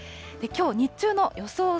きょう日中の予想